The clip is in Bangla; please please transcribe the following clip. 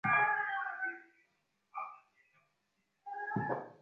একসঙ্গে জড়িয়ে কানে এসে বাজলে শিউরে উঠতে হয়।